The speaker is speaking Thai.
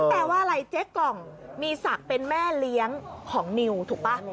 แปลว่าอะไรเจ๊กล่องมีศักดิ์เป็นแม่เลี้ยงของนิวถูกป่ะ